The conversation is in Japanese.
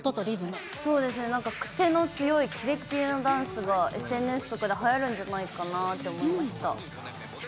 なんか癖の強いキレッキレのダンスが、ＳＮＳではやるんじゃないかなって思いました。